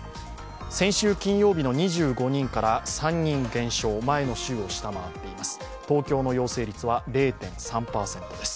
先週金曜日の２５人から３人減少、前の週を下回っています。